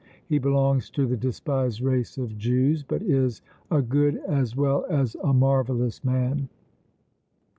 He belongs to the despised race of Jews, but is a good as well as a marvellous man.